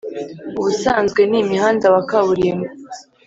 ubusanzwe ni umuhanda wa kaburimbo: